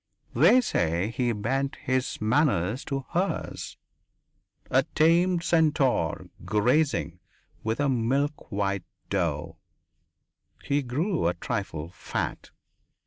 They say that he bent his manners to hers a tamed centaur grazing with a milk white doe. He grew a trifle fat.